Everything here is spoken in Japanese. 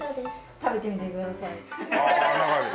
食べてみてください。